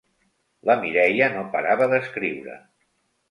La Mireia no parava d'escriure.